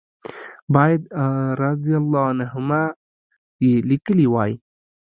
باید رضی الله عنهما یې لیکلي وای.